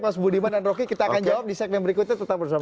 mas budiman dan roky kita akan jawab di segmen berikutnya tetap bersama